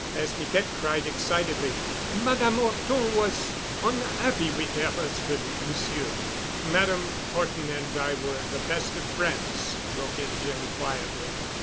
As Piquette cried excitedly, "Madame 'Orton was on'appy wit' 'er 'usband, Monsieur——" "Madame Horton and I were the best of friends——" broke in Jim quietly.